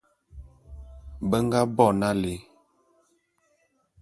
Be nga bo nalé.